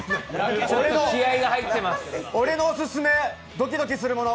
俺のオススメ、ドキドキするもの